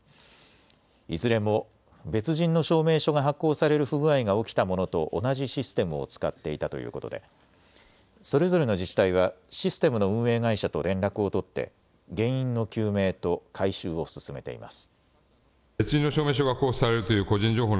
いずれも別人の証明書が発行される不具合が起きたものと同じシステムを使っていたということでそれぞれの自治体はシステムの運営会社と連絡を取って原因の究明と改修を進めています。